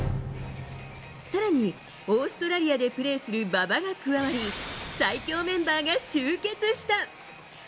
更にオーストラリアでプレーする馬場が加わり最強メンバーが集結した。